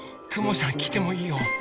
くもさんきてもいいよ。